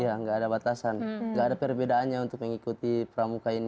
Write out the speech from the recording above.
iya nggak ada batasan nggak ada perbedaannya untuk mengikuti pramuka ini